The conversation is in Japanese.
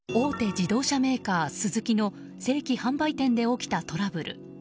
自動車メーカースズキの正規販売店で起きたトラブル。